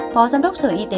phó giám đốc sở y tế sốc kỳ